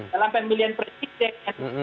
dalam pemilihan presiden